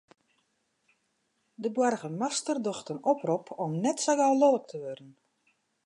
De boargemaster docht in oprop om net sa gau lilk te wurden.